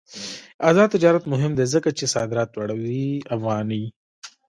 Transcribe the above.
آزاد تجارت مهم دی ځکه چې صادرات لوړوي افغاني.